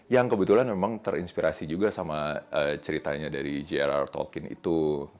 yang kebetulan memang terinspirasi juga sama ceritanya dari jrr talkin itu